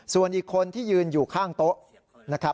ส่วนอีกคนที่ยืนอยู่ข้างโต๊ะ